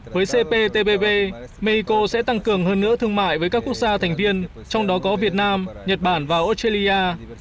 với cptpv mexico sẽ tăng cường hơn nữa thương mại với các quốc gia thành viên trong đó có việt nam nhật bản và australia